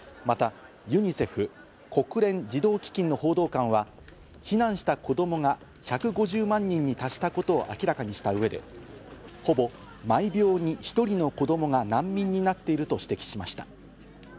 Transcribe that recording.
またユニセフ＝国連児童基金の報道官は、避難した子供が１５０万人に達したことを明らかにした上で、ほぼ毎秒に１人の子供が難民になっていると指摘しました。